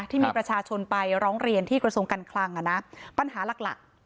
ที่มีประชาชนไปร้องเรียนที่กระทรวงการคลังปัญหาหลักหลัก